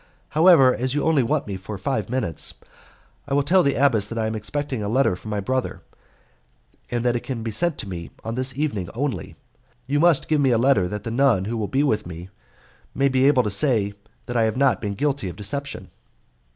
However, as you only want me for five minutes, I will tell the abbess that I am expecting a letter from my brother, and that it can be sent to me on this evening only. You must give me a letter that the nun who will be with me may be able to say that I have not been guilty of deception."